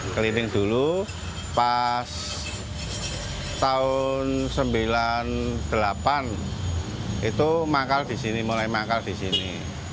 keliling dulu pas tahun seribu sembilan ratus sembilan puluh delapan itu makal di sini mulai manggal di sini